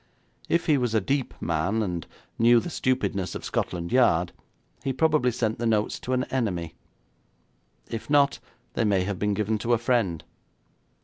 If he was a deep man, and knew the stupidness of Scotland Yard, he probably sent the notes to an enemy. If not, they may have been given to a friend.